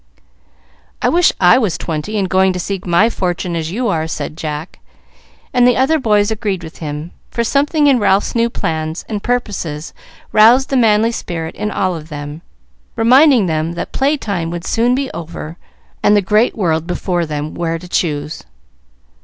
"I wish I was twenty, and going to seek my fortune, as you are," said Jack; and the other boys agreed with him, for something in Ralph's new plans and purposes roused the manly spirit in all of them, reminding them that playtime would soon be over, and the great world before them, where to choose.